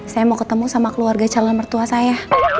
saya mau ketemu sama keluarga calon mertua saya